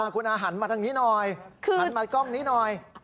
คุณอาหันมาทางนี้หน่อยหันมากล้องนี้หน่อย